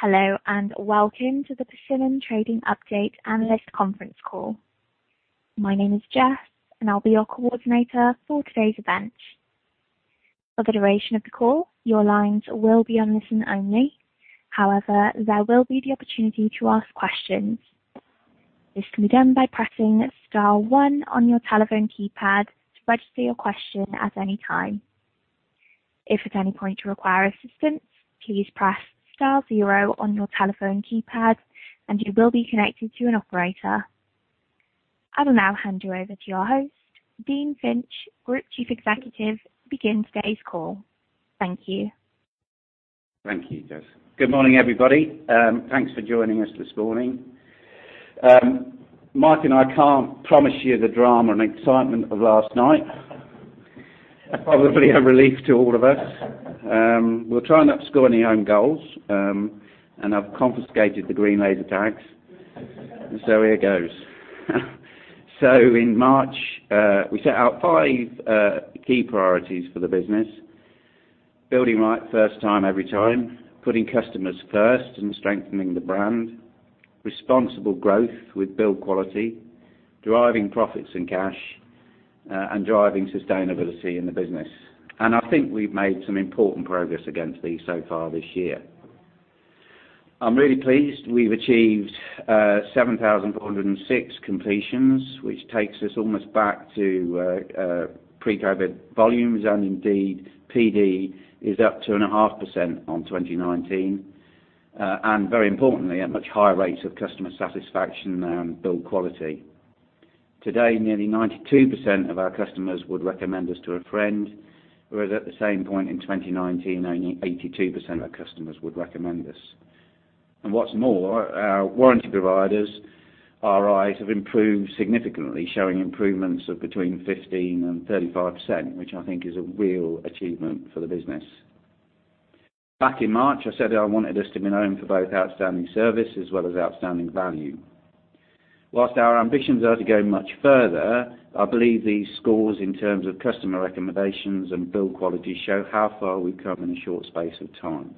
Hello, and welcome to the Persimmon Trading Update Analyst Conference Call. My name is Jess, and I'll be your coordinator for today's event. For the duration of the call, your lines will be on listen only. There will be the opportunity to ask questions. This can be done by pressing star one on your telephone keypad to register your question at any time. If at any point you require assistance, please press star zero on your telephone keypad, and you will be connected to an operator. I will now hand you over to your host, Dean Finch, Group Chief Executive, to begin today's call. Thank you. Thank you, Jess. Good morning, everybody. Thanks for joining us this morning. Mike and I can't promise you the drama and excitement of last night. Probably a relief to all of us. We'll try not to score any own goals, and I've confiscated the green laser tags. Here goes. In March, we set out five key priorities for the business. Building right, first time, every time. Putting customers first and strengthening the brand. Responsible growth with build quality. Driving profits and cash, and driving sustainability in the business. I think we've made some important progress against these so far this year. I'm really pleased we've achieved 7,406 completions, which takes us almost back to pre-COVID volumes. Indeed, PD is up 2.5% on 2019, and very importantly, at much higher rates of customer satisfaction and build quality. Today, nearly 92% of our customers would recommend us to a friend, whereas at the same point in 2019, only 82% of customers would recommend us. What's more, our warranty providers, RI, have improved significantly, showing improvements of between 15% and 35%, which I think is a real achievement for the business. Back in March, I said I wanted us to be known for both outstanding service as well as outstanding value. Whilst our ambitions are to go much further, I believe these scores in terms of customer recommendations and build quality show how far we've come in a short space of time.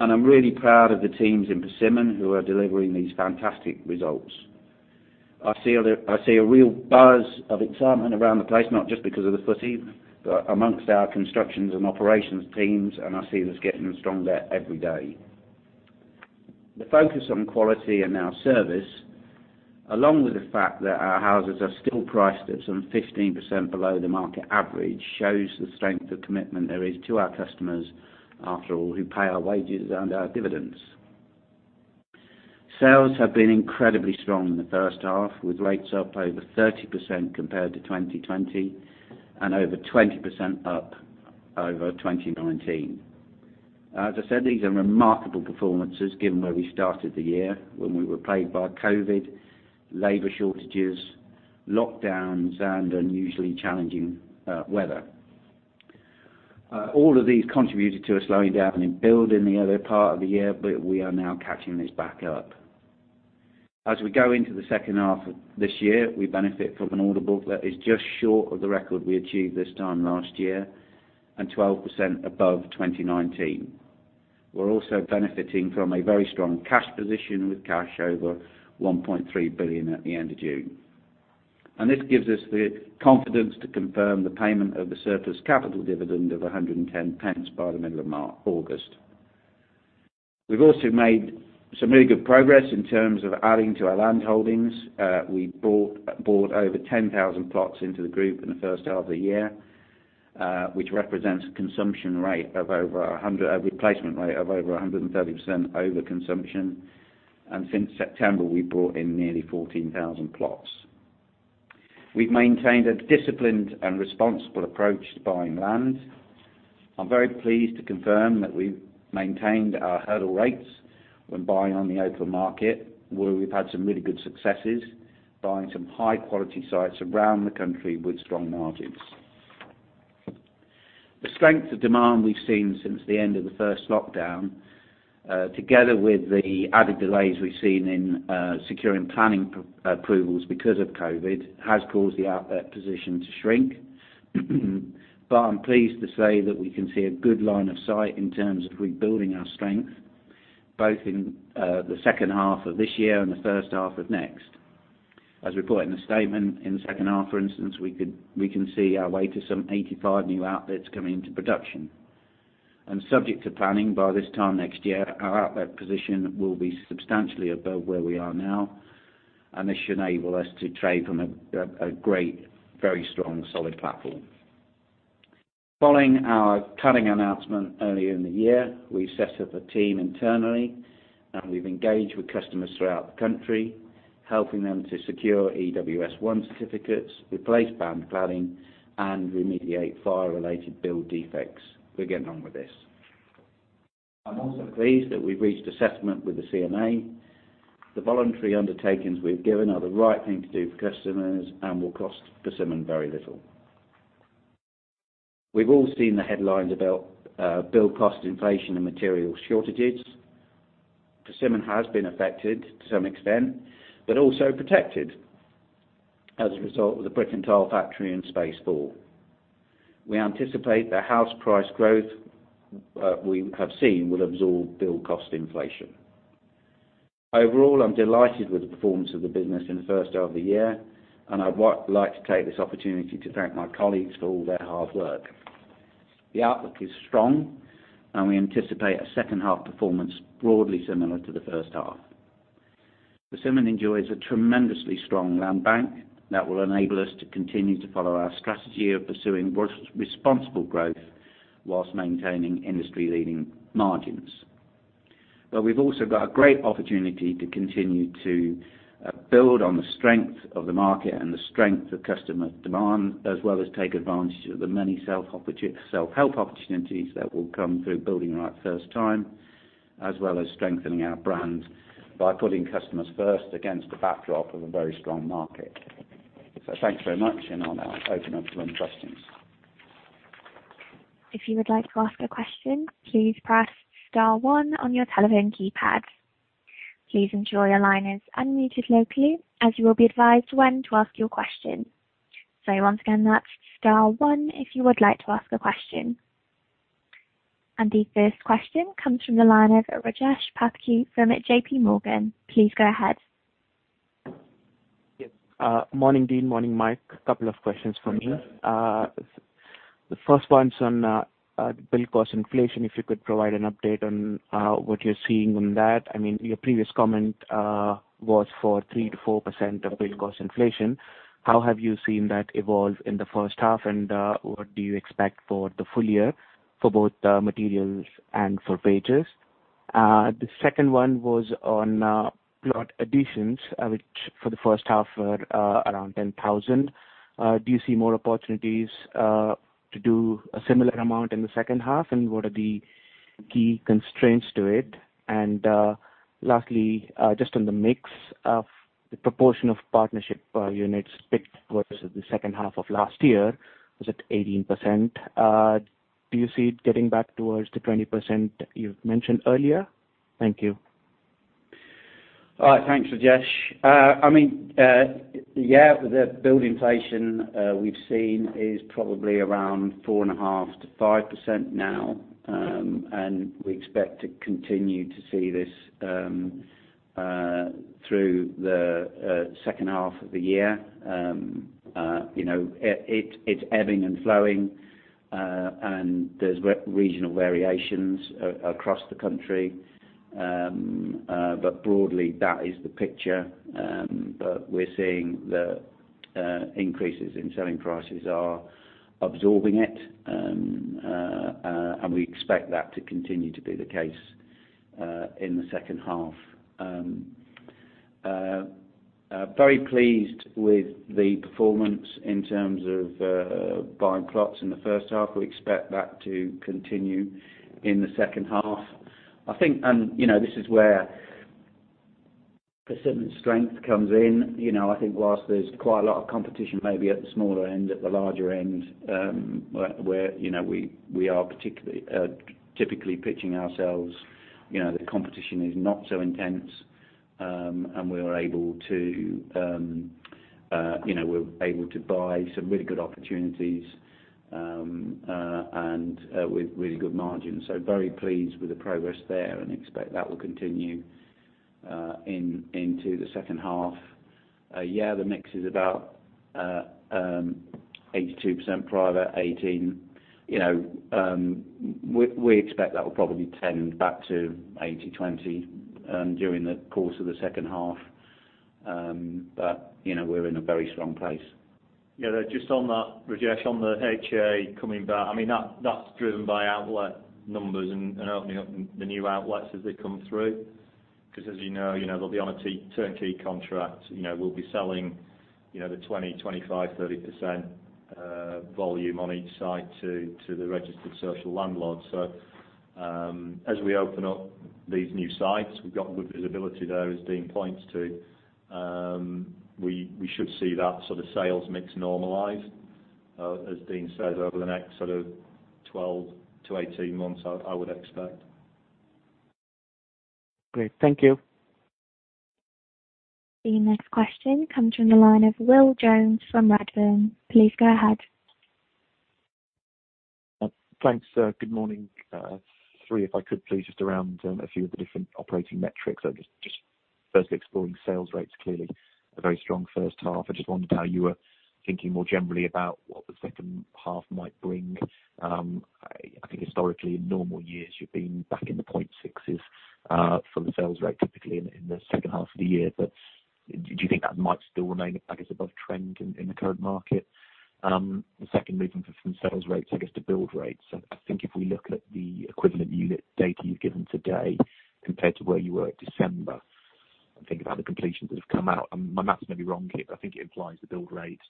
I'm really proud of the teams in Persimmon who are delivering these fantastic results. I see a real buzz of excitement around the place, not just because of the footy, but amongst our constructions and operations teams, and I see us getting stronger every day. The focus on quality and our service, along with the fact that our houses are still priced at some 15% below the market average, shows the strength of commitment there is to our customers, after all, who pay our wages and our dividends. Sales have been incredibly strong in the first half, with rates up over 30% compared to 2020 and over 20% up over 2019. As I said, these are remarkable performances given where we started the year when we were plagued by COVID, labor shortages, lockdowns, and unusually challenging weather. All of these contributed to a slowing down in build in the early part of the year, but we are now catching this back up. As we go into the second half of this year, we benefit from an order book that is just short of the record we achieved this time last year and 12% above 2019. We're also benefiting from a very strong cash position with cash over 1.3 billion at the end of June. This gives us the confidence to confirm the payment of a surplus capital dividend of 1.10 by the middle of August. We've also made some really good progress in terms of adding to our land holdings. We bought over 10,000 plots into the group in the first half of the year, which represents a replacement rate of over 130% over consumption. Since September, we brought in nearly 14,000 plots. We've maintained a disciplined and responsible approach to buying land. I'm very pleased to confirm that we've maintained our hurdle rates when buying on the open market, where we've had some really good successes buying some high-quality sites around the country with strong margins. The strength of demand we've seen since the end of the first lockdown, together with the added delays we've seen in securing planning approvals because of COVID, has caused the outlet position to shrink. I'm pleased to say that we can see a good line of sight in terms of rebuilding our strength, both in the second half of this year and the first half of next. As reported in the statement, in the second half, for instance, we can see our way to some 85 new outlets coming to production. Subject to planning by this time next year, our outlet position will be substantially above where we are now, and this should enable us to trade from a great, very strong, solid platform. Following our cladding announcement earlier in the year, we set up a team internally, and we've engaged with customers throughout the country, helping them to secure EWS1 certificates, replace banned cladding, and remediate fire-related build defects. We're getting on with this. I'm also pleased that we've reached a settlement with the CMA. The voluntary undertakings we've given are the right thing to do for customers and will cost Persimmon very little. We've all seen the headlines about build cost inflation and material shortages. Persimmon has been affected to some extent, but also protected as a result of the brick and tile factory in Space4. We anticipate that house price growth we have seen will absorb build cost inflation. Overall, I'm delighted with the performance of the business in the first half of the year, and I'd like to take this opportunity to thank my colleagues for all their hard work. The outlook is strong, and we anticipate a second half performance broadly similar to the first half. Persimmon enjoys a tremendously strong land bank that will enable us to continue to follow our strategy of pursuing responsible growth while maintaining industry-leading margins. We've also got a great opportunity to continue to build on the strength of the market and the strength of customer demand, as well as take advantage of the many self-help opportunities that will come through Building Right First Time, as well as strengthening our brand by putting customers first against the backdrop of a very strong market. Thanks very much, and I'll now open up to any questions. If you would like to ask a question, please press star one on your telephone keypad. Please ensure your line is unmuted locally, as you will be advised when to ask your question. Once again, that's star one if you would like to ask a question. The first question comes from the line of Rajesh Patki from JPMorgan. Please go ahead. Morning, Dean. Morning, Mike. A couple of questions from me. The first one's on build cost inflation, if you could provide an update on what you're seeing on that. Your previous comment was for 3%-4% of build cost inflation. How have you seen that evolve in the first half, and what do you expect for the full year for both materials and for wages? The second one was on plot additions, which for the first half were around 10,000. Do you see more opportunities to do a similar amount in the second half, and what are the key constraints to it? Lastly, just on the mix of the proportion of partnership units picked versus the second half of last year, was it 18%? Do you see it getting back towards the 20% you've mentioned earlier? Thank you. Thanks, Rajesh. The build inflation we've seen is probably around 4.5% to 5% now, and we expect to continue to see this through the second half of the year. It's ebbing and flowing, and there's regional variations across the country. Broadly, that is the picture. We're seeing that increases in selling prices are absorbing it, and we expect that to continue to be the case in the second half. Very pleased with the performance in terms of buying plots in the first half. We expect that to continue in the second half. This is where Persimmon's strength comes in. I think whilst there's quite a lot of competition maybe at the smaller end, at the larger end, where we are typically pitching ourselves, the competition is not so intense, and we're able to buy some really good opportunities and with really good margins. Very pleased with the progress there and expect that will continue into the second half. Yeah, the mix is about 82% private, 18%. We expect that will probably turn back to 80/20 during the course of the second half. We're in a very strong place. Just on that, Rajesh Patki, on the HIA coming back, that's driven by outlet numbers and opening up the new outlets as they come through. As you know, they'll be on a turnkey contract. We'll be selling the 20%, 25%, 30% volume on each site to the registered social landlords. As we open up these new sites, we've got good visibility there, as Dean Finch points to. We should see that sort of sales mix normalize, as Dean Finch says, over the next sort of 12 to 18 months, I would expect. Okay. Thank you. The next question comes from the line of Will Jones from Redburn. Please go ahead. Thanks. Good morning. Three, if I could please, just around a few of the different operating metrics. I guess just firstly exploring sales rates, clearly a very strong first half. I just wondered how you were thinking more generally about what the second half might bring. I think historically in normal years, you've been back in the 0.6 s for the sales rate typically in the second half of the year, but do you think that might still remain a package above trend in the current market? The second moving from sales rates I guess to build rates. I think if we look at the equivalent unit data you've given today compared to where you were at December, and think about the completions that have come out, and my math may be wrong, but I think it implies a build rate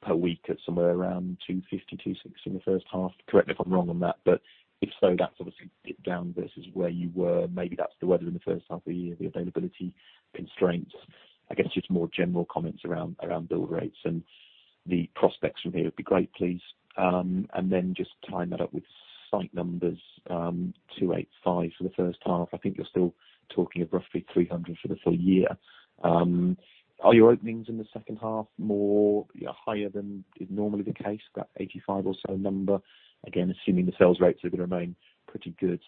per week at somewhere around 250, 260 in the first half. Correct me if I'm wrong on that, but if so, that's obviously dipped down versus where you were. Maybe that's the weather in the first half of the year, the availability constraints. I guess just more general comments around build rates and the prospects from here would be great, please. Just tying that up with site numbers, 285 for the first half. I think you're still talking of roughly 300 for the full year. Are your openings in the second half more higher than is normally the case, that 85 or so number? Again, assuming the sales rates are going to remain pretty good.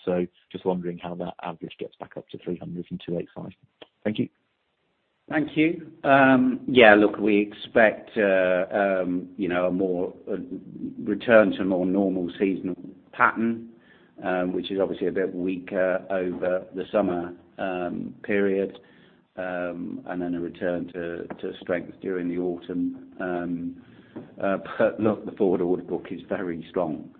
Just wondering how that average gets back up to 300 from 285. Thank you. Thank you. Yeah, look, we expect a return to a more normal seasonal pattern, which is obviously a bit weaker over the summer period, then a return to strength during the autumn. Look, the forward order book is very strong.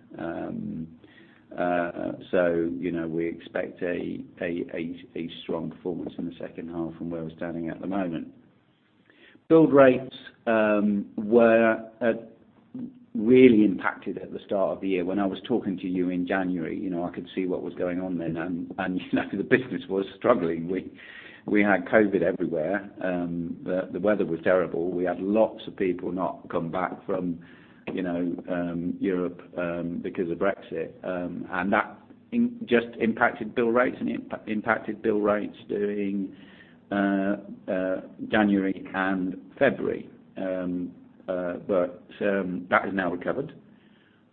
We expect a strong performance in the second half from where we're standing at the moment. Build rates were really impacted at the start of the year. When I was talking to you in January, I could see what was going on then and the business was struggling. We had COVID everywhere. The weather was terrible. We had lots of people not come back from Europe because of Brexit. That just impacted build rates, and it impacted build rates during January and February. That has now recovered.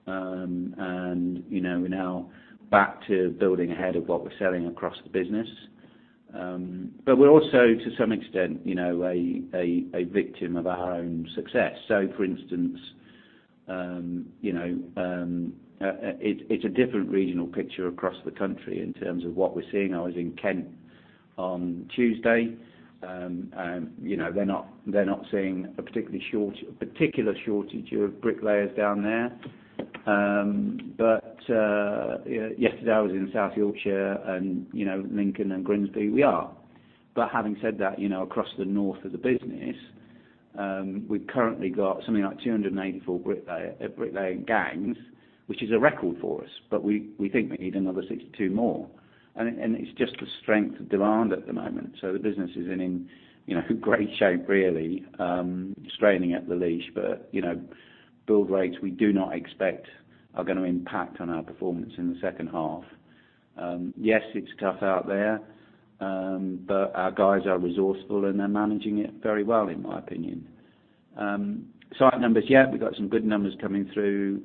We're now back to building ahead of what we're selling across the business. We're also, to some extent, a victim of our own success. For instance, it's a different regional picture across the country in terms of what we're seeing. I was in Kent on Tuesday, and they're not seeing a particular shortage of bricklayers down there. Yesterday, I was in South Yorkshire and Lincoln and Grimsby, we are. Having said that, across the north of the business, we've currently got something like 284 bricklaying gangs, which is a record for us. We think we need another 62 more. It's just the strength of demand at the moment. The business is in great shape, really, straining at the leash. Build rates, we do not expect are going to impact on our performance in the second half. Yes, it's tough out there, but our guys are resourceful, and they're managing it very well, in my opinion. Site numbers, yeah, we've got some good numbers coming through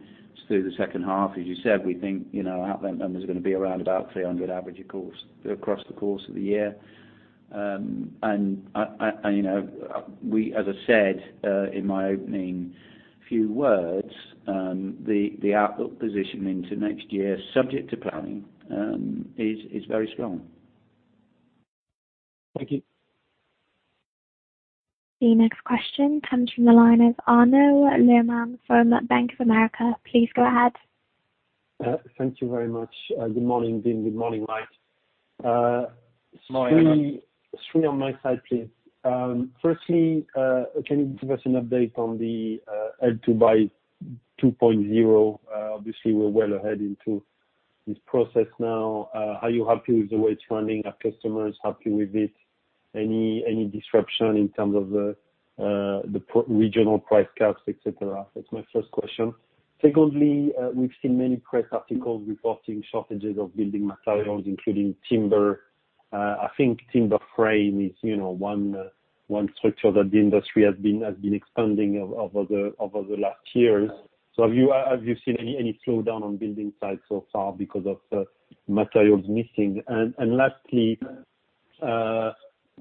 the second half. As you said, we think our outlet numbers are going to be around about 300 average across the course of the year. As I said in my opening few words, the outlook position into next year, subject to planning, is very strong. Thank you. The next question comes from the line of Arnaud Lehmann from Bank of America. Please go ahead. Thank you very much. Good morning, Dean. Good morning, Mike. Good morning, Arnaud. Three on my side, please. Firstly, can you give us an update on the Help to Buy 2.0? Obviously, we're well ahead into this process now. Are you happy with the way it's running? Are customers happy with it? Any disruption in terms of the regional price caps, et cetera? That's my first question. Secondly, we've seen many press articles reporting shortages of building materials, including timber. I think timber frame is one structure that the industry has been expanding over the last years. Have you seen any slowdown on building sites so far because of materials missing? Lastly, would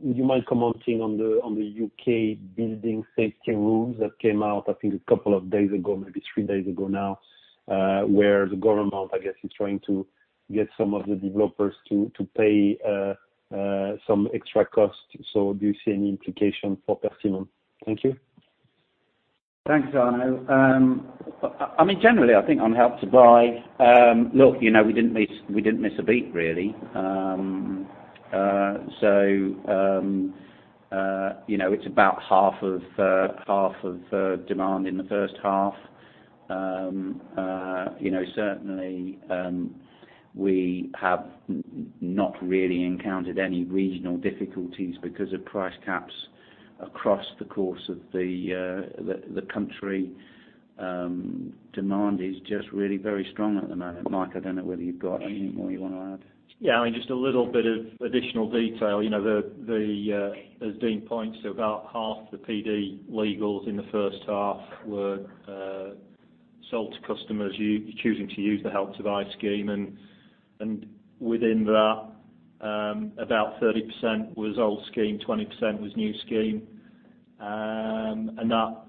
you mind commenting on the U.K. building safety rules that came out, I think a couple of days ago, maybe three days ago now, where the government, I guess, is trying to get some of the developers to pay some extra cost. Do you see any implication for Persimmon? Thank you. Thanks, Arnaud. Generally, I think on Help to Buy, look, we didn't miss a beat, really. It's about half of demand in the first half. Certainly, we have not really encountered any regional difficulties because of price caps across the course of the country. Demand is just really very strong at the moment. Mike, I don't know whether you've got anything more you want to add. Yeah, just a little bit of additional detail. As Dean points to, about half the PD legals in the first half were sold to customers choosing to use the Help to Buy scheme, and within that, about 30% was old scheme, 20% was new scheme. That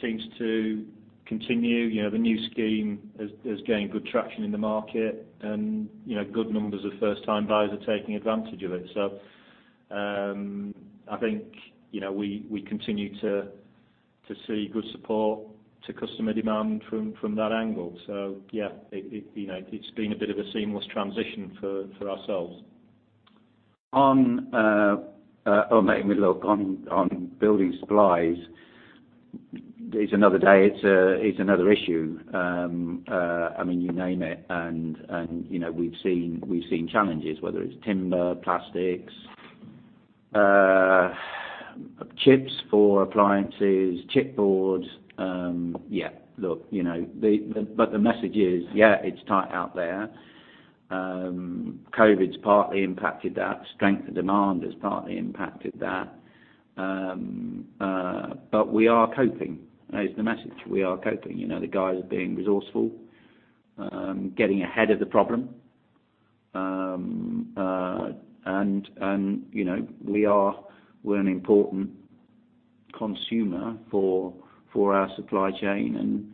seems to continue. The new scheme is gaining good traction in the market, and good numbers of first-time buyers are taking advantage of it. I think we continue to see good support to customer demand from that angle. Yeah, it's been a bit of a seamless transition for ourselves. On building supplies, each another day, it's another issue. You name it, we've seen challenges, whether it's timber, plastics, chips for appliances, chipboard. Yeah. Look, the message is, yeah, it's tight out there. COVID's partly impacted that. Strength of demand has partly impacted that. We are coping. That is the message. We are coping. The guys are being resourceful, getting ahead of the problem. We're an important consumer for our supply chain, and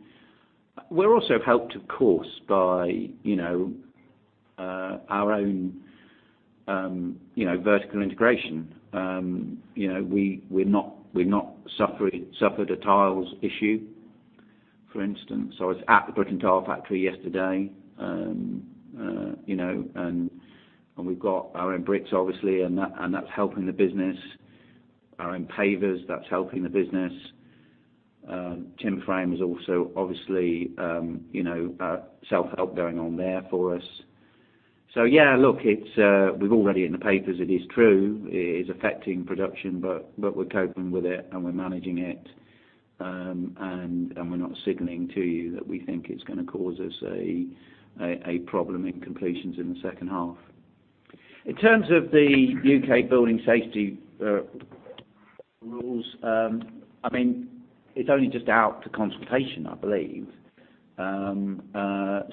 we're also helped, of course, by our own vertical integration. We've not suffered a tiles issue, for instance. I was at the Brick and Tile factory yesterday, and we've got our own bricks, obviously, and that's helping the business. Our own pavers, that's helping the business. Timber Frame is also obviously self-help going on there for us. Look, we've all read it in the papers, it is true, it is affecting production, but we're coping with it and we're managing it. We're not signaling to you that we think it's going to cause us a problem in completions in the second half. In terms of the U.K. building safety rules, it's only just out to consultation, I believe. I've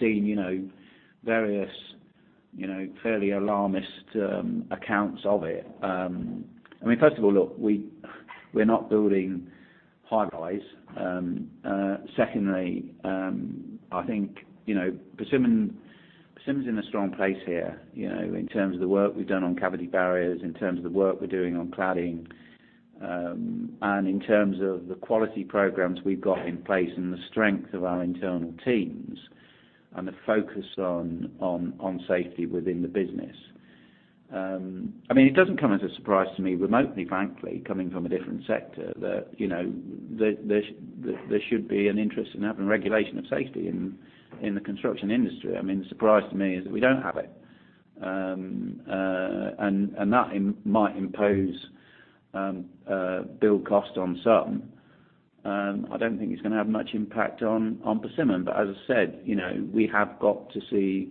seen various fairly alarmist accounts of it. First of all, look, we're not building high-rise. Secondly, I think Persimmon's in a strong place here, in terms of the work we've done on cavity barriers, in terms of the work we're doing on cladding, and in terms of the quality programs we've got in place and the strength of our internal teams and the focus on safety within the business. It doesn't come as a surprise to me remotely, frankly, coming from a different sector, that there should be an interest in having regulation of safety in the construction industry. The surprise to me is that we don't have it. That might impose build cost on some. I don't think it's going to have much impact on Persimmon, but as I said, we have got to see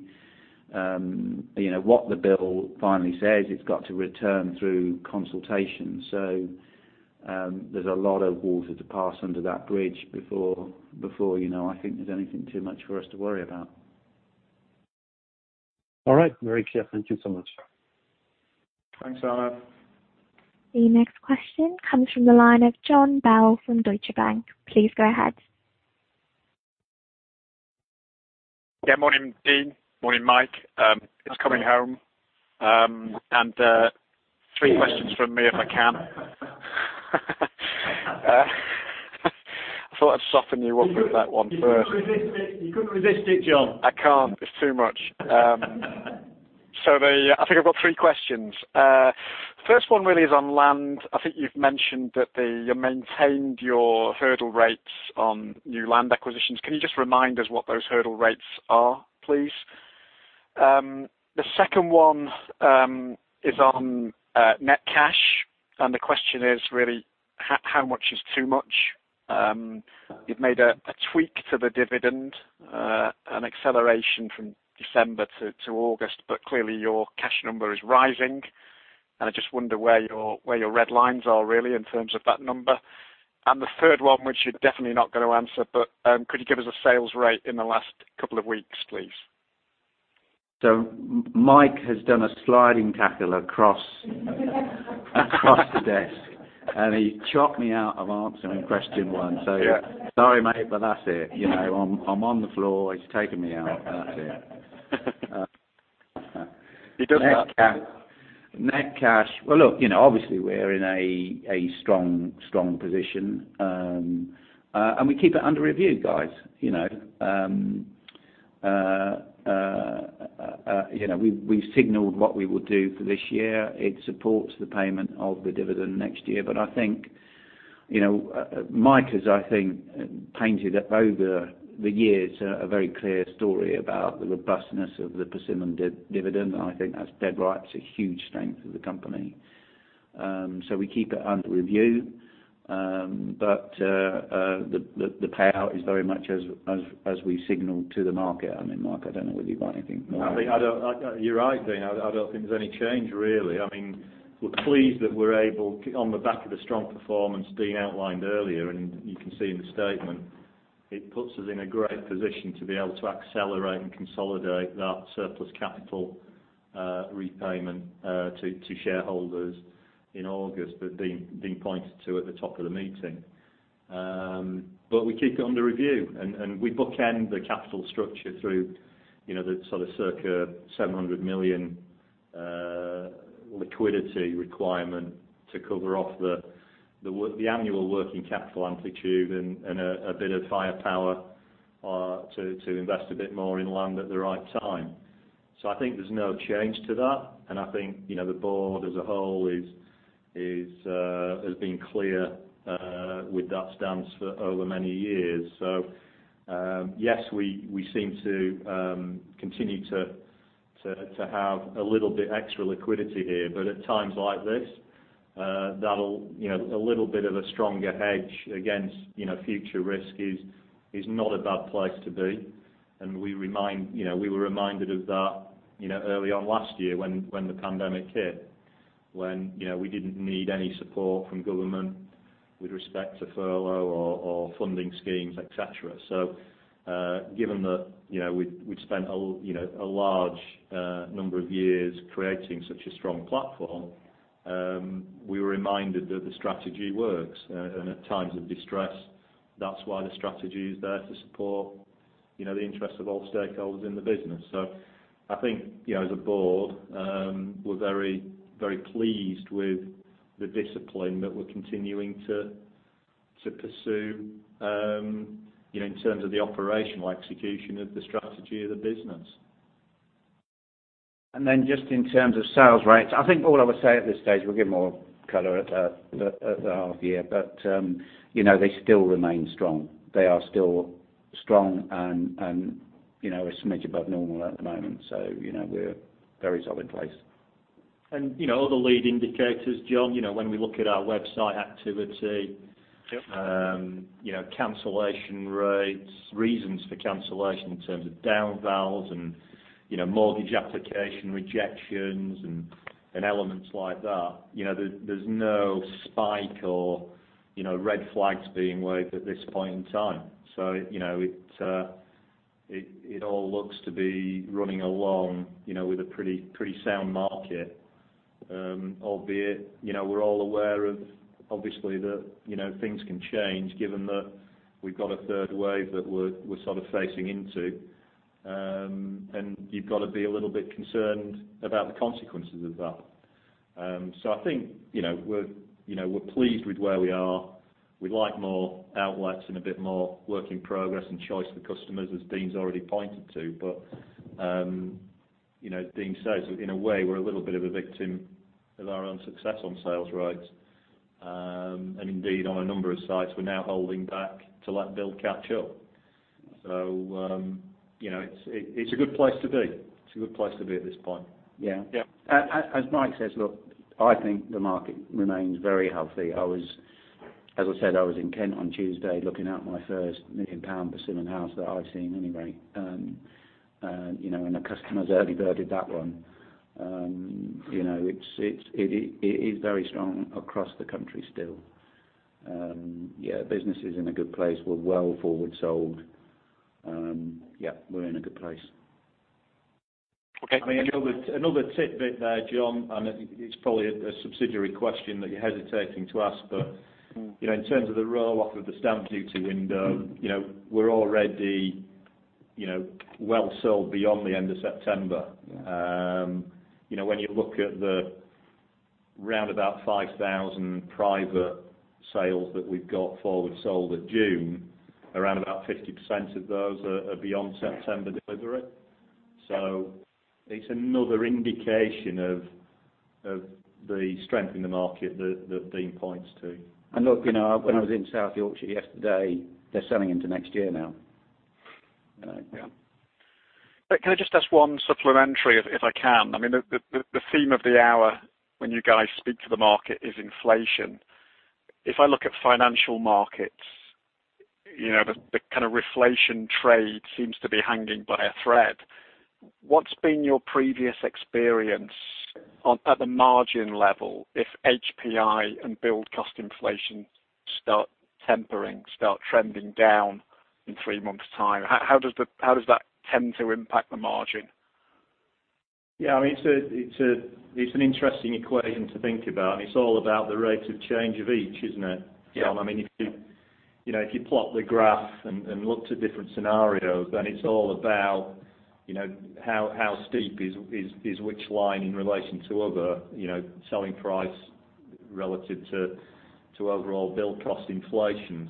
what the bill finally says. It's got to return through consultation. There's a lot of water to pass under that bridge before I think there's anything too much for us to worry about. All right, very clear. Thank you so much. Thanks, Arnaud Lehmann. The next question comes from the line of Jon Bell from Deutsche Bank. Please go ahead. Yeah, morning, Dean. Morning, Mike. It's coming home. Three questions from me, if I can. I thought I'd soften you up with that one first. You couldn't resist it, Jon. I can't. It's too much. I think I've got three questions. First one really is on land. I think you've mentioned that you maintained your hurdle rates on new land acquisitions. Can you just remind us what those hurdle rates are, please? The second one is on net cash, and the question is really how much is too much? You've made a tweak to the dividend, an acceleration from December to August, but clearly your cash number is rising, and I just wonder where your red lines are really in terms of that number. The third one, which you're definitely not going to answer, but could you give us a sales rate in the last couple of weeks, please? Mike has done a sliding tackle across desk, and he chopped me out of answering question one. Sorry, Mike, but that's it. I'm on the floor. He's taken me out. That's it. Net cash. Well, look, obviously we're in a strong position. We keep it under review, guys. We've signaled what we will do for this year. It supports the payment of the dividend next year. Mike has, I think, painted over the years a very clear story about the robustness of the Persimmon dividend, and I think that's dead right. It's a huge strength of the company. We keep it under review. The payout is very much as we signaled to the market. Mike, I don't know whether you've got anything more. You're right, Dean. I don't think there's any change, really. We're pleased that we're able to, on the back of a strong performance Dean outlined earlier, and you can see in the statement, it puts us in a great position to be able to accelerate and consolidate that surplus capital repayment to shareholders in August that Dean pointed to at the top of the meeting. We keep it under review, and we bookend the capital structure through the circa 700 million liquidity requirement to cover off the annual working capital amplitude and a bit of firepower to invest a bit more in land at the right time. I think there's no change to that, and I think the board as a whole has been clear with that stance over many years. Yes, we seem to continue to have a little bit extra liquidity here, but at times like this, a little bit of a stronger hedge against future risk is not a bad place to be. We were reminded of that early on last year when the pandemic hit, when we didn't need any support from government with respect to furlough or funding schemes, et cetera. Given that we'd spent a large number of years creating such a strong platform, we were reminded that the strategy works and at times of distress, that's why the strategy is there to support the interests of all stakeholders in the business. I think as a board, we're very pleased with the discipline that we're continuing to pursue in terms of the operational execution of the strategy of the business. Just in terms of sales rates, I think what I would say at this stage, we'll give more color at the half year, but they still remain strong. They are still strong and a smidge above normal at the moment. We're in a very solid place. All the lead indicators, Jon, when we look at our website activity, cancellation rates, reasons for cancellation in terms of down vals and mortgage application rejections and elements like that, there's no spike or red flags being waved at this point in time. It all looks to be running along with a pretty sound market. Albeit, we're all aware of, obviously, that things can change given that we've got a third wave that we're sort of facing into. You've got to be a little bit concerned about the consequences of that. I think we're pleased with where we are. We'd like more outlets and a bit more work in progress and choice for customers, as Dean's already pointed to. Dean says, in a way, we're a little bit of a victim of our own success on sales rates. Indeed on a number of sites we're now holding back to let build catch up. It's a good place to be. It's a good place to be at this point. Yeah. Yeah. As Mike says, I think the market remains very healthy. As I said, I was in Kent on Tuesday looking at my first Nick and Cambers in-house that I've seen anyway, and a customer's early birded that one. It is very strong across the country still. Yeah, business is in a good place. We're well forward sold. Yeah, we're in a good place. I mean, another tidbit there, Jon, and it's probably a subsidiary question that you're hesitating to ask, but in terms of the roll off of the stamp duty window, we're already well sold beyond the end of September. When you look at the round about 5,000 private sales that we've got forward sold at June, around about 50% of those are beyond September delivery. It's another indication of the strength in the market that Dean points to. Look when I was in South Yorkshire yesterday, they're selling into next year now. Can I just ask one supplementary, if I can? I mean, the theme of the hour when you guys speak to the market is inflation. If I look at financial markets, the kind of reflation trade seems to be hanging by a thread. What's been your previous experience at the margin level if HPI and build cost inflation start tempering, start trending down in three months' time? How does that tend to impact the margin? Yeah, it's an interesting equation to think about, and it's all about the rate of change of each, isn't it? I mean, if you plot the graph and look to different scenarios, then it's all about how steep is which line in relation to other, selling price relative to overall build cost inflation.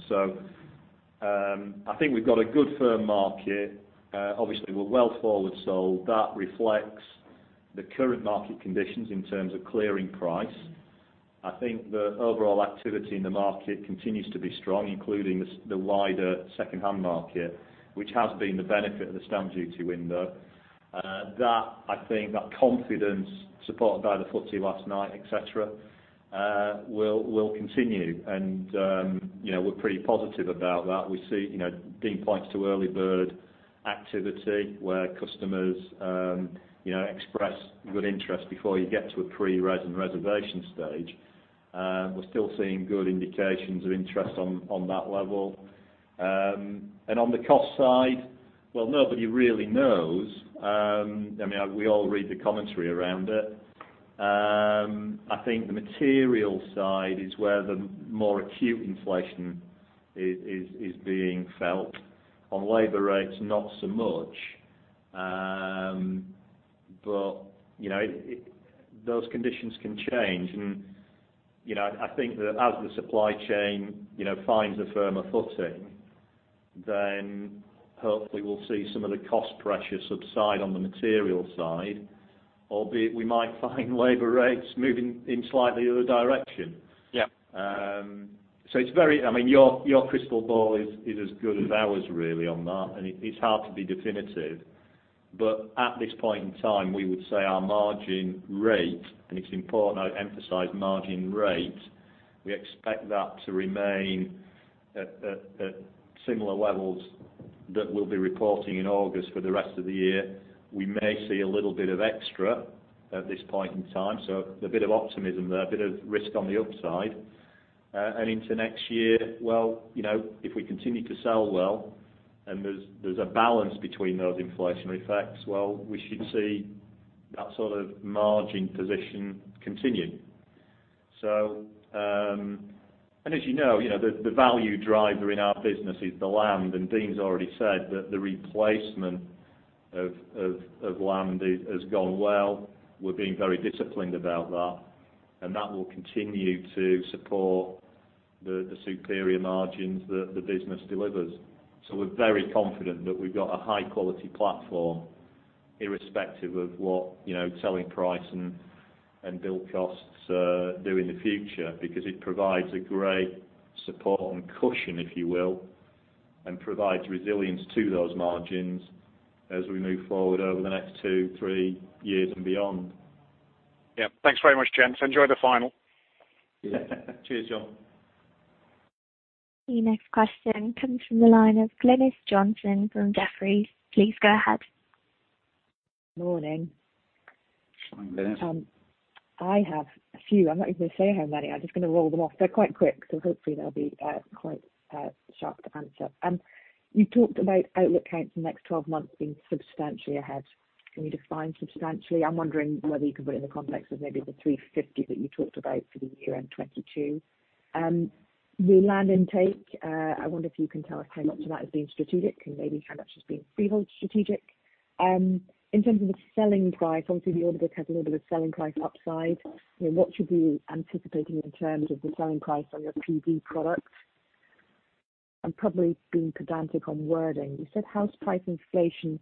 I think we've got a good firm market. Obviously, we're well forward sold. That reflects the current market conditions in terms of clearing price. I think the overall activity in the market continues to be strong, including the wider secondhand market, which has been the benefit of the stamp duty window. That I think that confidence supported by the FTSE last night, et cetera, will continue and we're pretty positive about that. Dean points to early bird activity where customers express good interest before you get to a pre-reservation stage. We're still seeing good indications of interest on that level. On the cost side, well, nobody really knows. I mean, we all read the commentary around it. I think the material side is where the more acute inflation is being felt. On labor rates, not so much. Those conditions can change and I think that as the supply chain finds a firmer footing. Then hopefully we'll see some of the cost pressure subside on the material side, albeit we might find labor rates moving in slightly the other direction. Yeah. Your crystal ball is as good as ours on that, and it's hard to be definitive. At this point in time, we would say our margin rate, and it's important I emphasize margin rate, we expect that to remain at similar levels that we'll be reporting in August for the rest of the year. We may see a little bit of extra at this point in time. A bit of optimism there, a bit of risk on the upside. Into next year, well, if we continue to sell well and there's a balance between those inflationary effects, well, we should see that sort of margin position continuing. As you know, the value driver in our business is the land, and Dean's already said that the replacement of land has gone well. We're being very disciplined about that, and that will continue to support the superior margins that the business delivers. We're very confident that we've got a high-quality platform irrespective of what selling price and build costs do in the future because it provides a great support and cushion, if you will, and provides resilience to those margins as we move forward over the next two, three years and beyond. Yeah. Thanks very much, gents. Enjoy the final. Yeah. Cheers, Jon. The next question comes from the line of Glynis Johnson from Jefferies. Please go ahead. Morning. Morning. I have a few. I'm not going to say how many. I'm just going to roll them off. They're quite quick, so hopefully they'll be quite sharp to answer. You talked about outlook homes for the next 12 months being substantially ahead. Can you define substantially? I'm wondering whether you can put it in the context of maybe the 350 that you talked about for the year end 2022. Your land intake, I wonder if you can tell us how much of that is being strategic and maybe how much is being behold strategic. In terms of the selling price, obviously the order book has a little bit of selling price upside. What should we be anticipating in terms of the selling price on your previous products? I'm probably being pedantic on wording. You said house price inflation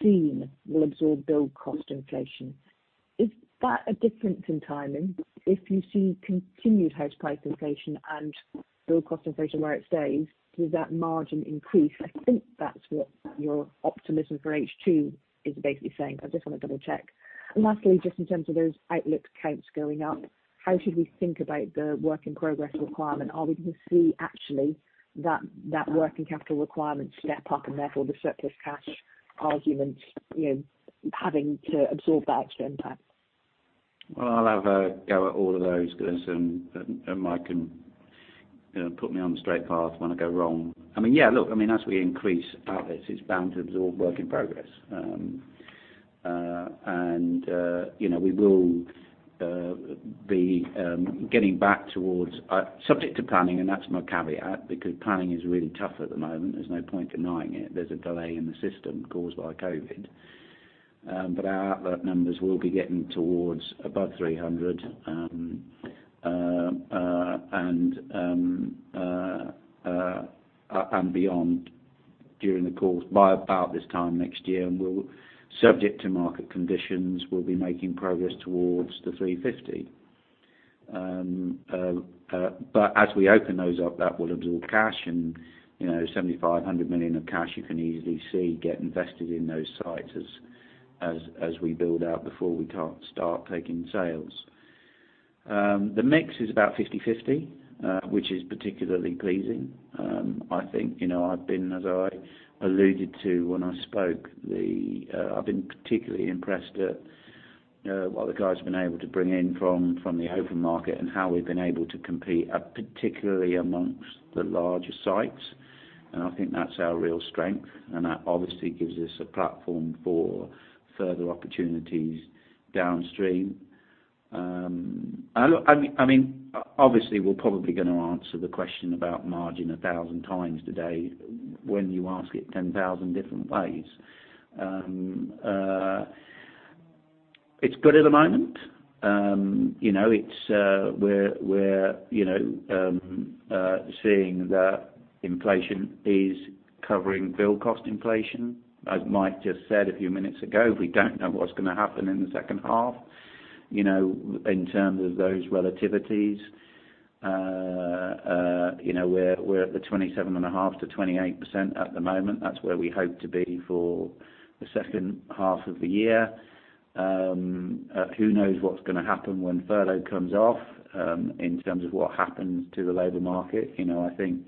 seen will absorb build cost inflation. Is that a difference in timing? If you see continued house price inflation and build cost inflation where it stays, does that margin increase? I think that's what your optimism for H2 is basically saying, but I just want to double check. Lastly, just in terms of those outlook homes going up, how should we think about the work in progress requirement? Are we going to see actually that working capital requirement step up and therefore the surplus cash argument having to absorb bad spend there? I'll have a go at all of those, Glynis, and Mike can put me on the straight path when I go wrong. Look, as we increase outlets, it's bound to absorb work in progress. We will be getting back towards subject to planning, and that's my caveat because planning is really tough at the moment. There's no point denying it. There's a delay in the system caused by COVID. Our outlet numbers will be getting towards above 300 and beyond during the course by about this time next year. Subject to market conditions, we'll be making progress towards the 350. As we open those up, that will absorb cash and 7,500 million of cash you can easily see get invested in those sites as we build out before we can't start taking sales. The mix is about 50/50, which is particularly pleasing. I think, as I alluded to when I spoke, I've been particularly impressed at what the guys have been able to bring in from the open market and how we've been able to compete, particularly amongst the larger sites. I think that's our real strength, and that obviously gives us a platform for further opportunities downstream. Obviously, we're probably going to answer the question about margin 1,000 times today when you ask it 10,000 different ways. It's good at the moment. We're seeing that inflation is covering build cost inflation. As Mike just said a few minutes ago, we don't know what's going to happen in the second half in terms of those relativities. We're at the 27.5%-28% at the moment. That's where we hope to be for the second half of the year. Who knows what's going to happen when furlough comes off in terms of what happens to the labor market. I think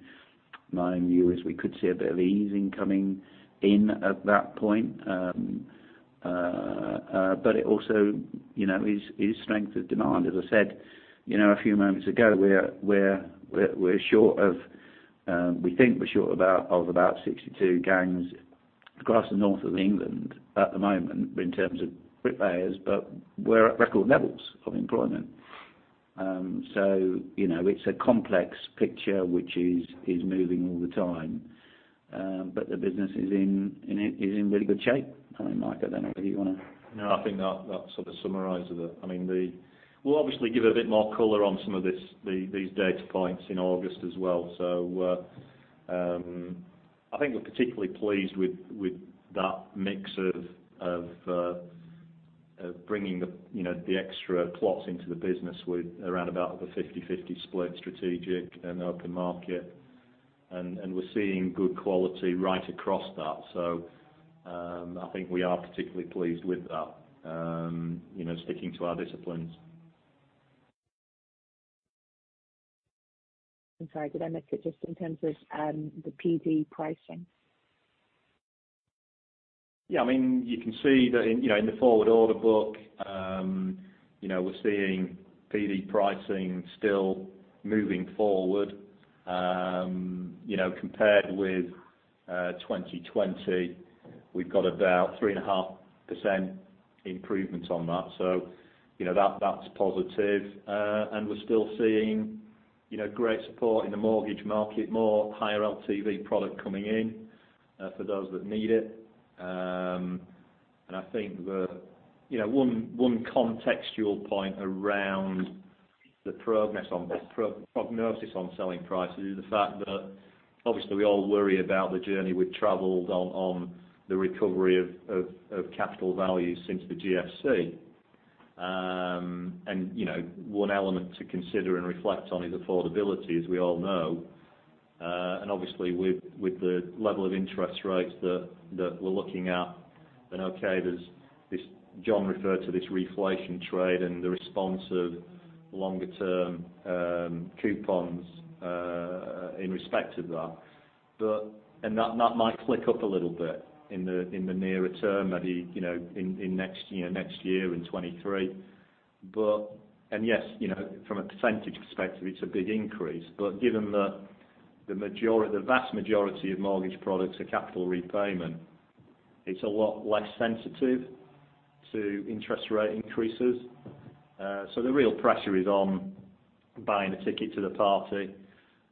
my view is we could see a bit of easing coming in at that point. It also is strength of demand. As I said a few moments ago, we think we're short of about 62 gangs across the north of England at the moment in terms of bricklayers, but we're at record levels of employment. It's a complex picture which is moving all the time. The business is in really good shape. Mike, I don't know if you want to. I think that sort of summarizes it. We'll obviously give a bit more color on some of these data points in August as well. I think we're particularly pleased with that mix of bringing the extra plots into the business with around about the 50/50 split strategic and open market. We're seeing good quality right across that. I think we are particularly pleased with that, sticking to our disciplines. I'm sorry, Mike, just in terms of the PD pricing. Yeah, you can see that in the forward order book, we're seeing PD pricing still moving forward. Compared with 2020, we've got about 3.5% improvement on that. That's positive. We're still seeing great support in the mortgage market, more higher LTV product coming in for those that need it. I think one contextual point around the progress on, or prognosis on selling prices is the fact that obviously we all worry about the journey we've traveled on the recovery of capital values since the GFC. One element to consider and reflect on is affordability, as we all know. Obviously with the level of interest rates that we're looking at, and okay, Jon referred to this reflation trade and the response of longer-term coupons in respect of that. That might flick up a little bit in the nearer term, maybe in next year and 2023. Yes, from a percent perspective, it's a big increase. Given that the vast majority of mortgage products are capital repayment, it's a lot less sensitive to interest rate increases. The real pressure is on buying a ticket to the party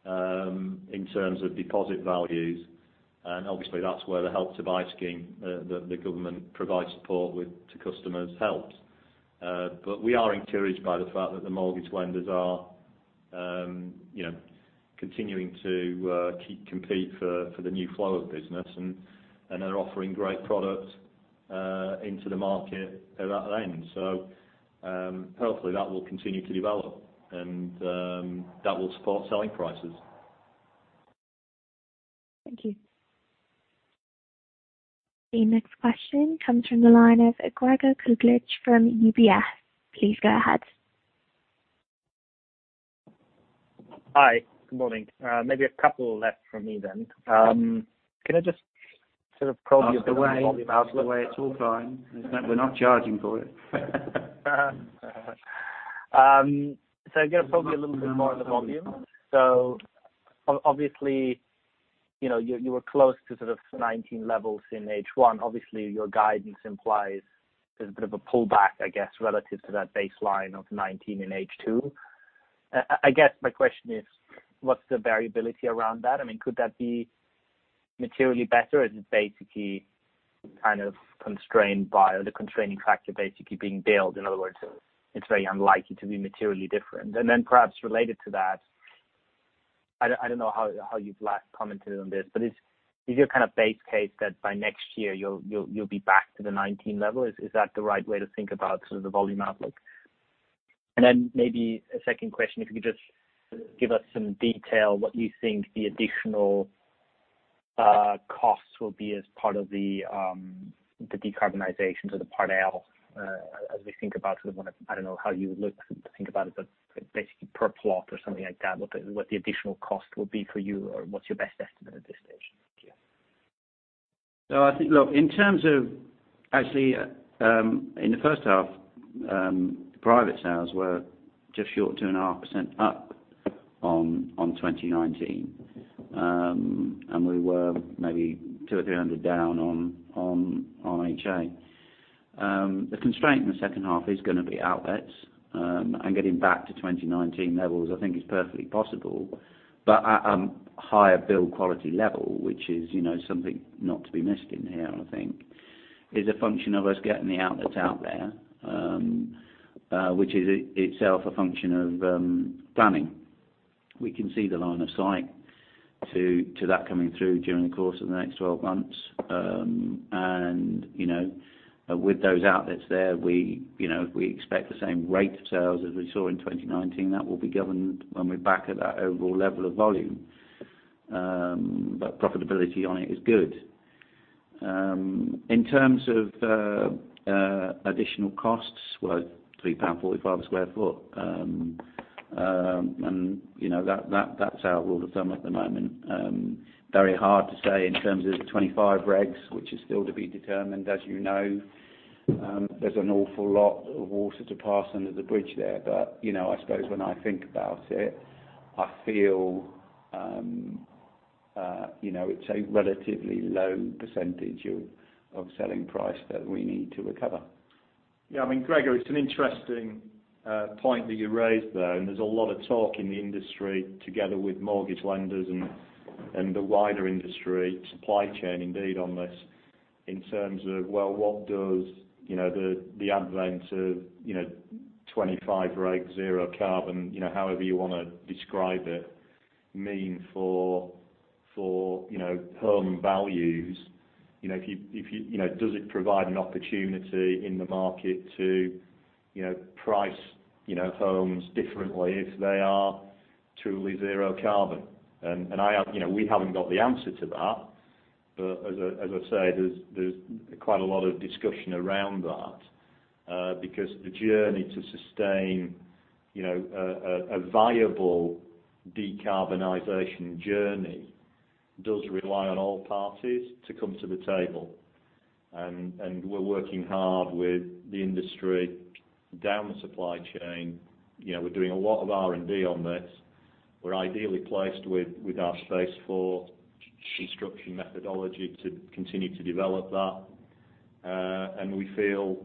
in terms of deposit values. Obviously, that's where the Help to Buy scheme that the government provides support with to customers helps. We are encouraged by the fact that the mortgage lenders are continuing to compete for the new flow of business and are offering great product into the market at that end. Hopefully, that will continue to develop and that will support selling prices. Thank you. The next question comes from the line of Gregor Kuglitsch from UBS. Please go ahead. Hi. Good morning. Maybe a couple left from me then. Can I just sort of probe you on? That's the way it's all fine. We're not charging for it. I guess maybe a little bit more on the volume. Obviously, you were close to sort of 2019 levels in H1. Obviously, your guidance implies there's a bit of a pullback, I guess, relative to that baseline of 2019 in H2. I guess my question is, what's the variability around that? Could that be materially better or is it basically kind of constrained by the constraining factor basically being build, in other words, it's very unlikely to be materially different? Perhaps related to that, I don't know how you'd like commented on this, but is your kind of base case that by next year you'll be back to the 2019 level? Is that the right way to think about sort of the volume outlook? Maybe a second question, could you just give us some detail what you think the additional costs will be as part of the decarbonization for the Part L as we think about sort of, I don't know how you would look to think about it, but basically per plot or something like that, what the additional cost will be for you or what's your best estimate at this stage? No, I think, look, in terms of actually, in the first half, private sales were just short 2.5% up on 2019. We were maybe 200 or 300 down on RHA. The constraint in the second half is going to be outlets. Getting back to 2019 levels, I think is perfectly possible. At a higher build quality level, which is something not to be missed in here, I think, is a function of us getting the outlets out there, which is itself a function of planning. We can see the line of sight to that coming through during the course of the next 12 months. With those outlets there, if we expect the same rate of sales as we saw in 2019, that will be governed when we're back at that overall level of volume. Profitability on it is good. In terms of additional costs, we're 3.45 pound a square foot. That's our rule of thumb at the moment. Very hard to say in terms of the 2025 regs, which is still to be determined, as you know. There's an awful lot of water to pass under the bridge there. I suppose when I think about it, I feel it's a relatively low percentage of selling price that we need to recover. Yeah, Gregor, it's an interesting point that you raised there, and there's a lot of talk in the industry together with mortgage lenders and the wider industry supply chain indeed on this in terms of, well, what does the advent of 2025 reg zero carbon, however you want to describe it, mean for home values, does it provide an opportunity in the market to price homes differently if they are truly zero carbon? We haven't got the answer to that. As I say, there's quite a lot of discussion around that, because a viable decarbonization journey does rely on all parties to come to the table. We're working hard with the industry down the supply chain. We're doing a lot of R&D on this. We're ideally placed with our Space4 structured methodology to continue to develop that. We feel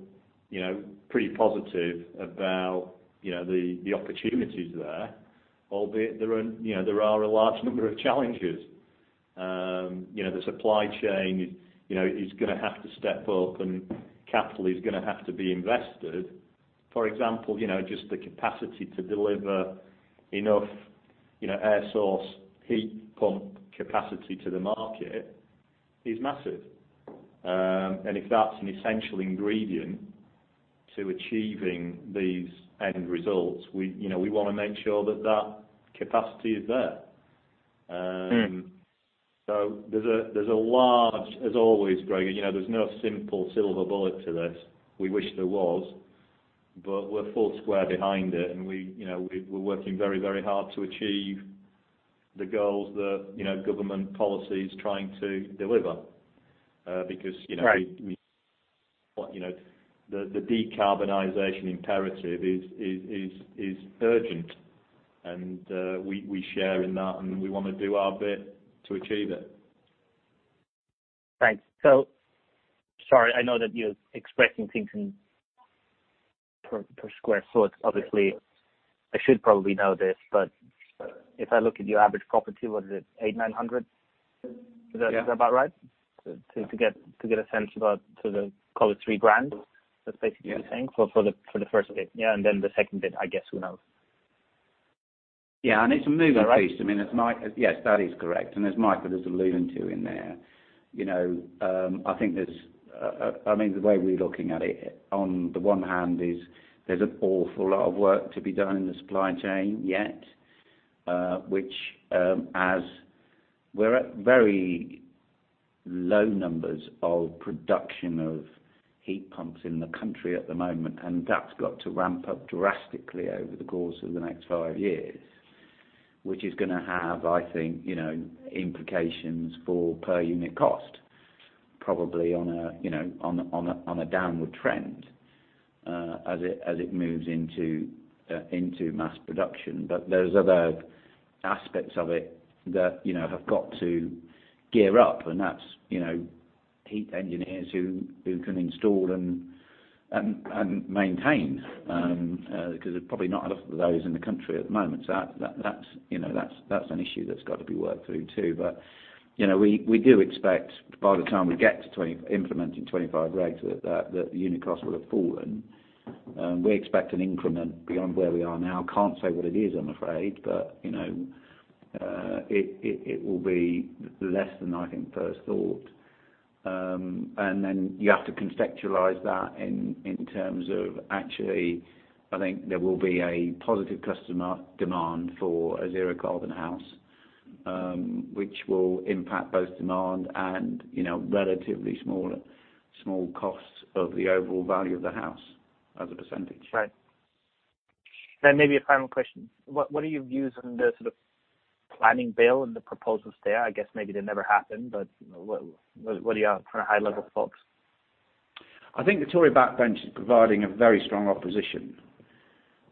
pretty positive about the opportunities there, albeit there are a large number of challenges. The supply chain is going to have to step up, and capital is going to have to be invested. For example, just the capacity to deliver enough air source heat pump capacity to the market is massive. If that's an essential ingredient to achieving these end results, we want to make sure that that capacity is there. There's a large, as always, Greg, there's no simple silver bullet to this. We wish there was, but we're full square behind it, and we're working very hard to achieve the goals that government policy is trying to deliver. Right The decarbonization imperative is urgent, and we share in that, and we want to do our bit to achieve it. Right. Sorry, I know that you're expecting things per square foot. Obviously, I should probably know this, but if I look at your average property, what is it, eight, 900 sq ft? Yeah. Is that about right? To get a sense, call it 3 grand. That's basically what you're saying? For the first bit, and then the second bit, I guess who knows. It's a moving rate. Yes, that is correct. As Mike was alluding to in there, the way we're looking at it, on the one hand, there's an awful lot of work to be done in the supply chain yet, which as we're at very low numbers of production of heat pumps in the country at the moment, that's got to ramp up drastically over the course of the next five years. Which is going to have, I think, implications for per unit cost, probably on a downward trend as it moves into mass production. There's other aspects of it that have got to gear up and that's heat engineers who can install and maintain because there are probably not a lot of those in the country at the moment. That's an issue that's got to be worked through, too. We do expect by the time we get to implementing 25 regs that the unit cost will have fallen. We expect an increment beyond where we are now. Can't say what it is, I'm afraid, but it will be less than I think first thought. Then you have to contextualize that in terms of actually, I think there will be a positive customer demand for a zero carbon house, which will impact both demand and relatively small costs of the overall value of the house as a percentage. Right. Maybe a final question. What are your views on the sort of planning bill and the proposals there? I guess maybe they never happen, but what are your high level thoughts? I think the Tory backbench is providing a very strong opposition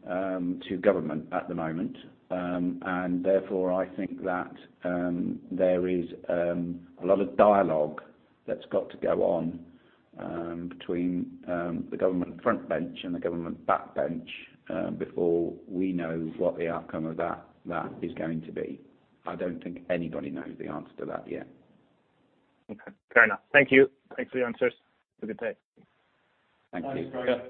to government at the moment. Therefore, I think that there is a lot of dialogue that's got to go on between the government frontbench and the government backbench before we know what the outcome of that is going to be. I don't think anybody knows the answer to that yet. Okay, fair enough. Thank you. Thanks for the answers. Have a good day. Thank you.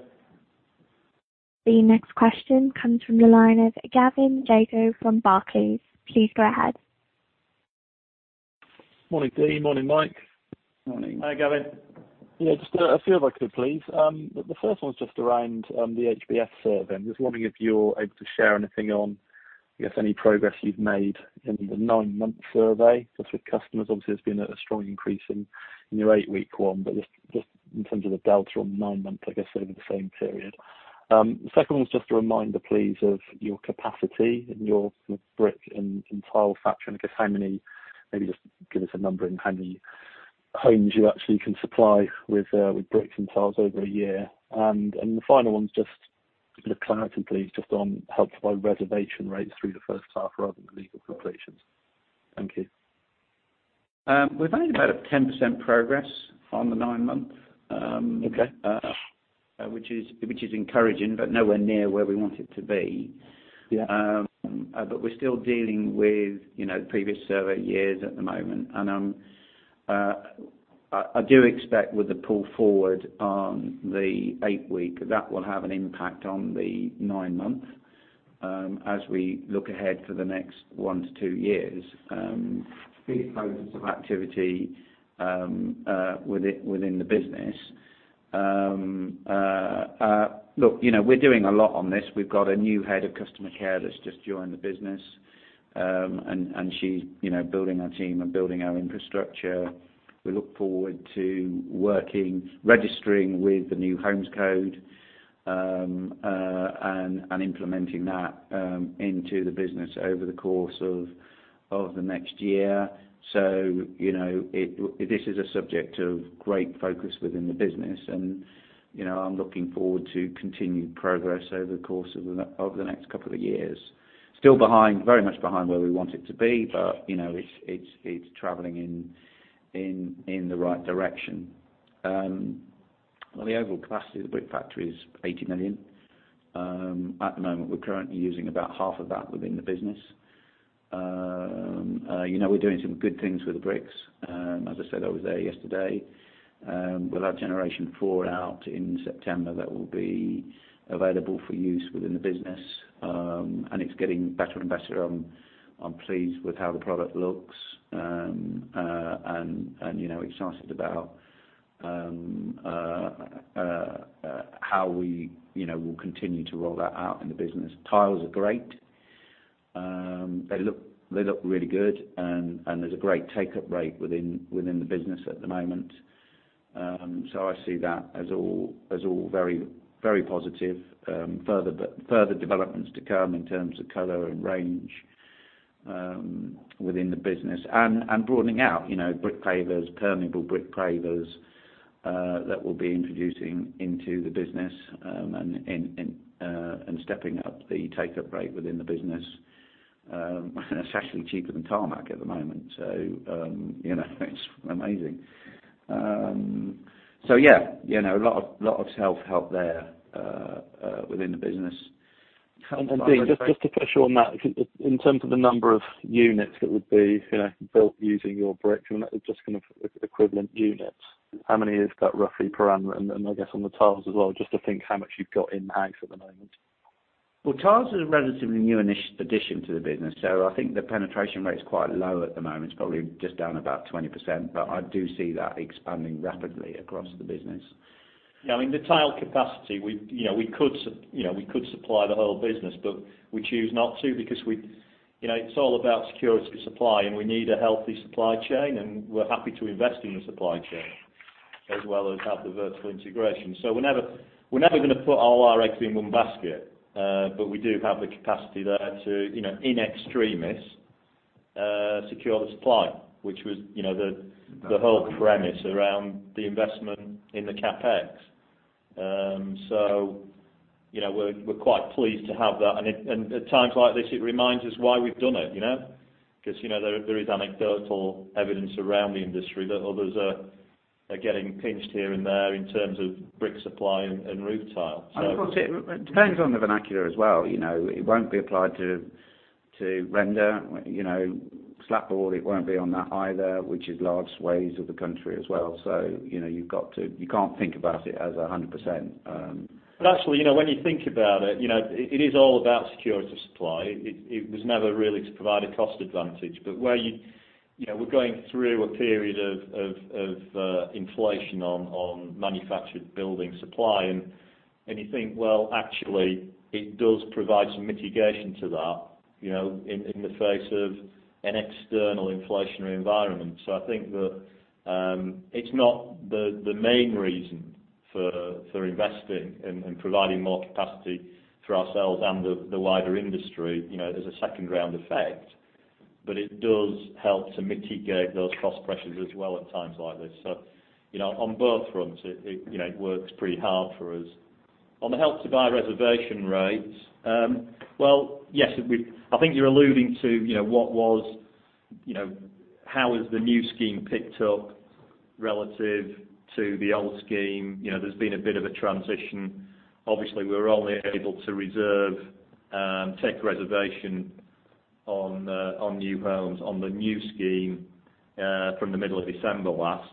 The next question comes from the line of Gavin Jago from Barclays. Please go ahead. Morning, Dean. Morning, Mike. Morning. Hi, Gavin. Yeah, just a few if I could please. The first one's just around the HBF survey. I'm just wondering if you're able to share anything on if there's any progress you've made in the nine-month survey. Just with customers, obviously, there's been a strong increase in your eight-week one, but just in terms of the delta on nine months, I guess, over the same period. The second one's just a reminder, please, of your capacity and your brick and tile factory. How many, maybe just give us a number in how many homes you actually can supply with bricks and tiles over a year. The final one's just clarity, please, just on Help to Buy reservation rates through the first half rather than legal completions. Thank you. We've made about 10% progress on the nine-month- Okay which is encouraging, but nowhere near where we want it to be. Yeah. We're still dealing with previous survey years at the moment. I do expect with the pull forward on the eight-week, that will have an impact on the nine-month. As we look ahead for the next one to two years, big focus on activity within the business. Look, we're doing a lot on this. We've got a new head of customer care that's just joined the business, and she's building our team and building our infrastructure. We look forward to working, registering with the New Homes Quality Code, and implementing that into the business over the course of the next year. This is a subject of great focus within the business, and I'm looking forward to continued progress over the course of the next couple of years. Still very much behind where we want it to be, but it's traveling in the right direction. Well, the overall capacity of the brick factory is 80 million. At the moment, we're currently using about half of that within the business. We're doing some good things with the bricks. As I said, I was there yesterday. With our generation 4 out in September, that will be available for use within the business. It's getting better and better. I'm pleased with how the product looks, and excited about how we will continue to roll that out in the business. Tiles are great. They look really good, and there's a great take-up rate within the business at the moment. I see that as all very positive. Further developments to come in terms of color and range within the business. Broadening out, brick pavers, permeable brick pavers, that we'll be introducing into the business, and stepping up the take-up rate within the business. It's actually cheaper than tarmac at the moment, so it's amazing. Yeah, a lot of self-help there within the business. Dean, just to push on that, in terms of the number of units that would be built using your brick, just kind of equivalent units. How many has got roughly per annum, and I guess on the tiles as well, just to think how much you've got in hand at the moment? Well, tiles is a relatively new addition to the business, so I think the penetration rate is quite low at the moment. It's probably just down about 20%, but I do see that expanding rapidly across the business. The tile capacity, we could supply the whole business, but we choose not to because it's all about security of supply, and we need a healthy supply chain, and we're happy to invest in the supply chain as well as have the vertical integration. We're never going to put all our eggs in one basket. We do have the capacity there to, in extremis, secure the supply, which was the whole premise around the investment in the CapEx. We're quite pleased to have that. At times like this, it reminds us why we've done it. Because there is anecdotal evidence around the industry that others are getting pinched here and there in terms of brick supply and roof tile. Of course, it depends on the vernacular as well. It won't be applied to render, slap board, it won't be on that either, which is large swathes of the country as well. You can't think about it as 100%. Actually, when you think about it is all about security of supply. It was never really to provide a cost advantage. We're going through a period of inflation on manufactured building supply, and you think, well, actually, it does provide some mitigation to that in the face of an external inflationary environment. I think that it's not the main reason for investing and providing more capacity for ourselves and the wider industry as a second-round effect. It does help to mitigate those cost pressures as well at times like this. On both fronts it works pretty hard for us. On the Help to Buy reservation rates, well, yes, I think you're alluding to how has the new scheme picked up relative to the old scheme. There's been a bit of a transition. We were only able to reserve and take reservation on new homes on the new scheme, from the middle of December last.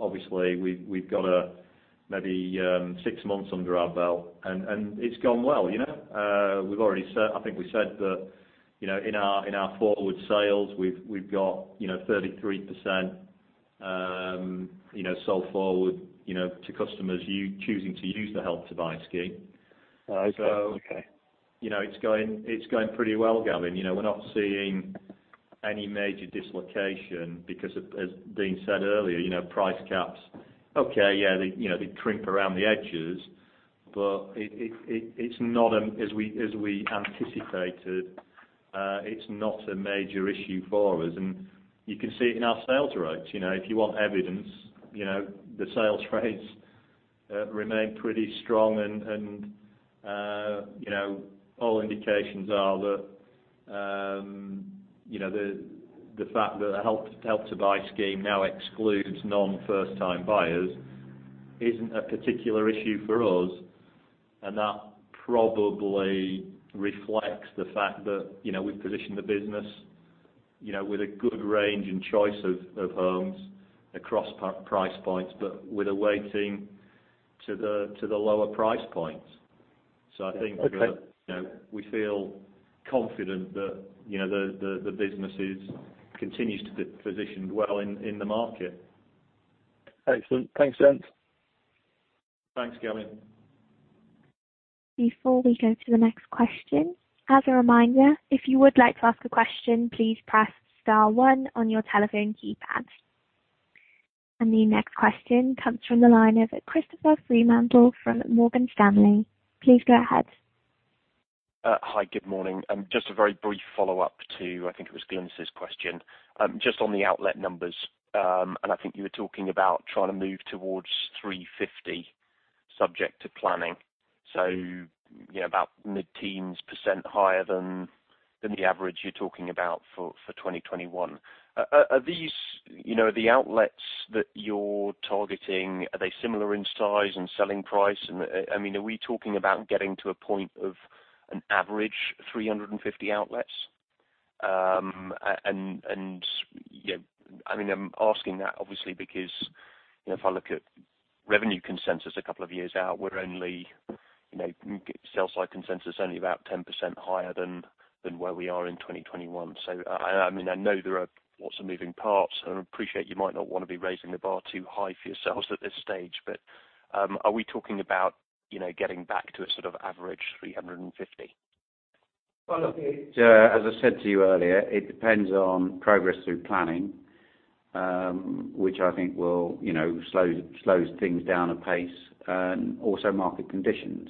Obviously, we've got maybe six months under our belt, and it's gone well. I think we said that in our forward sales, we've got 33% sold forward to customers choosing to use the Help to Buy scheme. Okay. It's going pretty well, Gavin. We're not seeing any major dislocation because, as Dean said earlier, price caps. Okay, yeah, they crimp around the edges, but as we anticipated, it's not a major issue for us, and you can see it in our sales rates. If you want evidence, the sales rates remain pretty strong, and all indications are that the fact that the Help to Buy scheme now excludes non-first-time buyers isn't a particular issue for us. That probably reflects the fact that we've positioned the business with a good range and choice of homes across price points, but with a weighting to the lower price points. We feel confident that the business continues to be positioned well in the market. Excellent. Thanks, Dean. Thanks, Gavin. Before we go to the next question, as a reminder, if you would like to ask a question, please press star one on your telephone keypad. The next question comes from the line of Christopher Fremantle from Morgan Stanley. Please go ahead. Hi. Good morning. Just a very brief follow-up to, I think it was Glynis Johnson's question. Just on the outlet numbers, and I think you were talking about trying to move towards 350 subject to planning, so about mid-teens percent higher than the average you're talking about for 2021. Are these, the outlets that you're targeting, are they similar in size and selling price? Are we talking about getting to a point of an average 350 outlets? I'm asking that obviously because, if I look at revenue consensus a couple of years out, we're only, sell side consensus, only about 10% higher than where we are in 2021. I know there are lots of moving parts, and I appreciate you might not want to be raising the bar too high for yourselves at this stage, but are we talking about getting back to a sort of average 350? Well, look, as I said to you earlier, it depends on progress through planning, which I think slows things down apace, and also market conditions.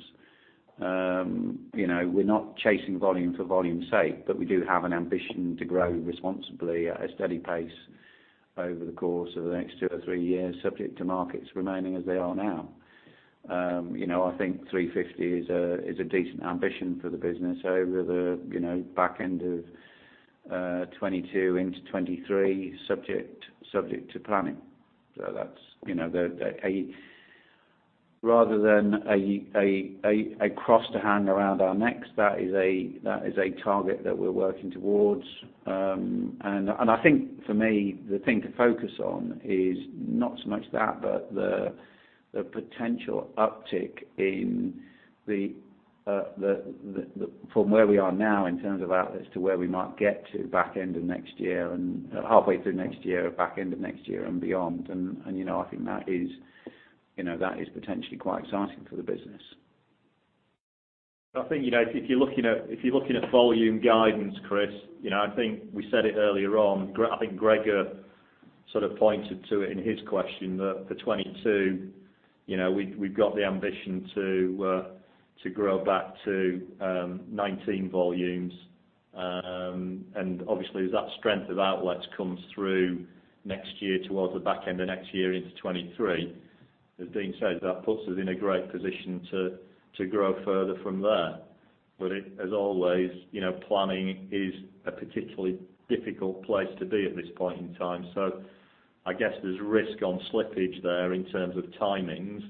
We're not chasing volume for volume's sake, but we do have an ambition to grow responsibly at a steady pace over the course of the next two or three years, subject to markets remaining as they are now. I think 350 is a decent ambition for the business over the back end of 2022 into 2023, subject to planning. That's, rather than a cross to hang around our necks, that is a target that we're working towards. I think, for me, the thing to focus on is not so much that, but the potential uptick from where we are now in terms of outlets to where we might get to back end of next year and halfway through next year, back end of next year and beyond. I think that is potentially quite exciting for the business. I think, if you're looking at volume guidance, Chris, I think we said it earlier on. I think Gregor sort of pointed to it in his question, that for 2022, we've got the ambition to grow back to 2019 volumes. Obviously as that strength of outlets comes through next year towards the back end of next year into 2023, as Dean said, that puts us in a great position to grow further from there. As always, planning is a particularly difficult place to be at this point in time. I guess there's risk on slippage there in terms of timings,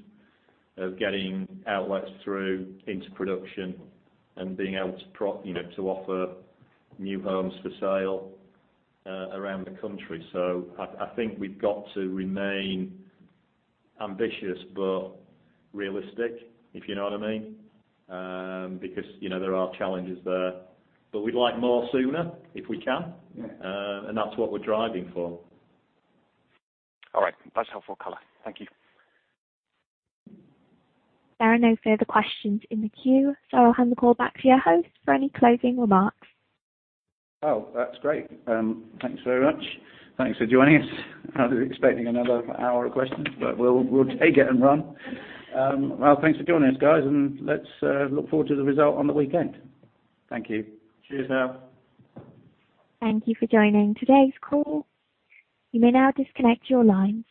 of getting outlets through into production and being able to offer new homes for sale around the country. I think we've got to remain ambitious but realistic, if you know what I mean, because there are challenges there. We'd like more sooner if we can. Yeah. That's what we're driving for. All right. That's helpful color. Thank you. There are no further questions in the queue, so I'll hand the call back to your host for any closing remarks. That's great. Thanks very much. Thanks for joining us. I was expecting another hour of questions, but we'll take it and run. Well, thanks for joining us, guys, and let's look forward to the result on the weekend. Thank you. Cheers, now. Thank you for joining today's call. You may now disconnect your lines.